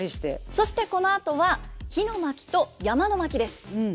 そしてこのあとは「火の巻」と「山の巻」です。